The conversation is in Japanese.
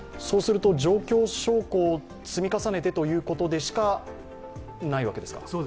状況証拠を積み重ねてということでしかないわけですか。